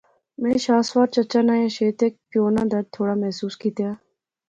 میں شاہ سوار چچا نا یا شیت ہیک پیو ناں درد تھوڑا محسوس کیتیا